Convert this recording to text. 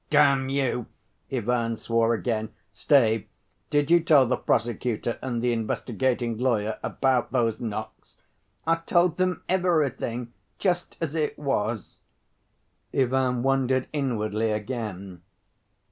"Damn you!" Ivan swore again. "Stay, did you tell the prosecutor and the investigating lawyer about those knocks?" "I told them everything just as it was." Ivan wondered inwardly again.